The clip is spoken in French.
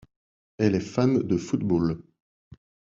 Elle est fan de football.